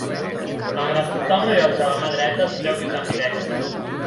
Malgrat portar el rellotge a la mà dreta, es creu que és ambidextre.